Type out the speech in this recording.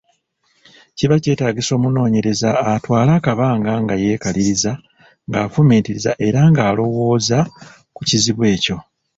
Kiba kyetaagisa omunoonyereza atwale akabanga nga yeekaliriza, ng’afumiitiriza era ng’alowooza ku kizibu ekyo.